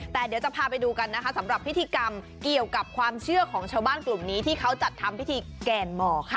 แต่เดี๋ยวจะพาไปดูกันนะคะสำหรับพิธีกรรมเกี่ยวกับความเชื่อของชาวบ้านกลุ่มนี้ที่เขาจัดทำพิธีแก่นหมอค่ะ